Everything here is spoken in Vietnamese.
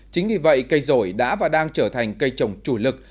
chính vì vậy cây rổi đã và đang trở thành cây trồng chủ lực